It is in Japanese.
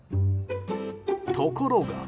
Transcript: ところが。